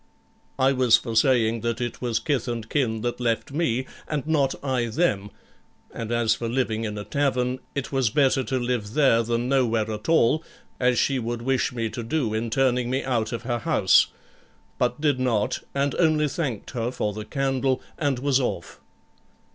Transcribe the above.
I was for saying that it was kith and kin that left me, and not I them; and as for living in a tavern, it was better to live there than nowhere at all, as she would wish me to do in turning me out of her house; but did not, and only thanked her for the candle, and was off.